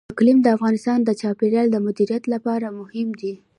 اقلیم د افغانستان د چاپیریال د مدیریت لپاره مهم دي.